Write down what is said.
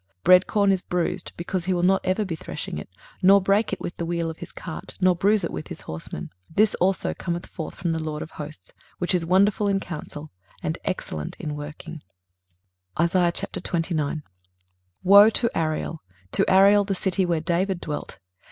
23:028:028 Bread corn is bruised; because he will not ever be threshing it, nor break it with the wheel of his cart, nor bruise it with his horsemen. 23:028:029 This also cometh forth from the LORD of hosts, which is wonderful in counsel, and excellent in working. 23:029:001 Woe to Ariel, to Ariel, the city where David dwelt!